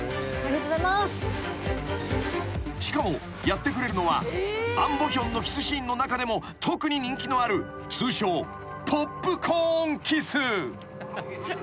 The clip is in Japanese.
［しかもやってくれるのはアン・ボヒョンのキスシーンの中でも特に人気のある通称ポップコーンキス］